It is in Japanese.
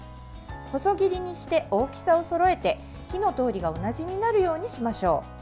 細切りにして大きさをそろえて火の通りが同じになるようにしましょう。